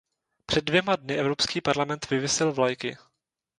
Přede dvěma dny Evropský parlament vyvěsil vlajky.